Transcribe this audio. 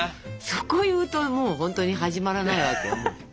そこ言うともう本当に始まらないわけよ。